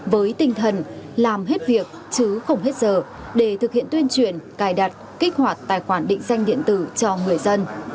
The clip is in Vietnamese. với tinh thần làm hết việc chứ không hết giờ để thực hiện tuyên truyền cài đặt kích hoạt tài khoản định danh điện tử cho người dân